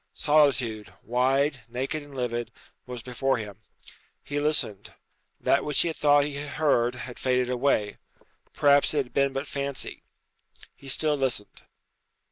Solitude, wide, naked and livid, was before him. He listened. That which he had thought he heard had faded away. Perhaps it had been but fancy. He still listened.